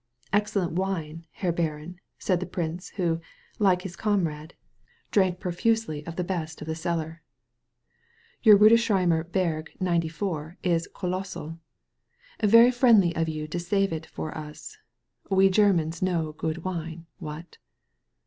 "Excellent wine, Herr Baron, said the prince, who, like his comrade, drank profusely of the best 53 THE VALLEY OF VISION in the cellar. ''Your Rildesheimer Berg '94 is kolossal. Very friendly of you to save it for us. We Germans know good wine. What?'